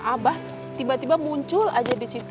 abah tiba tiba muncul aja disitu